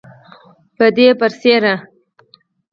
پدې برسیره